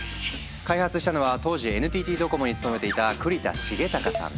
開発したのは当時ＮＴＴドコモに勤めていた栗田穣崇さん。